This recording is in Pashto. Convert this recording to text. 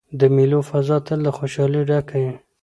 د مېلو فضا تل له خوشحالۍ ډکه يي.